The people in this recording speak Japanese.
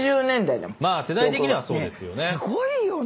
「まあ世代的にはそうですよね。